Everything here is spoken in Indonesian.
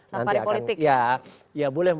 safari politik ya boleh